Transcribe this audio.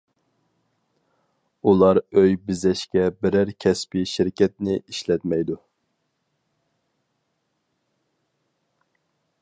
ئۇلار ئۆي بېزەشكە بىرەر كەسپىي شىركەتنى ئىشلەتمەيدۇ.